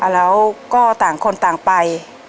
แล้วก็ต่างคนต่างไป